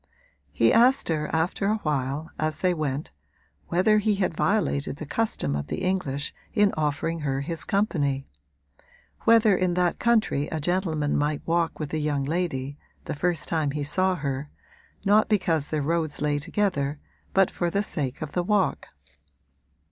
He asked her after a while, as they went, whether he had violated the custom of the English in offering her his company; whether in that country a gentleman might walk with a young lady the first time he saw her not because their roads lay together but for the sake of the walk.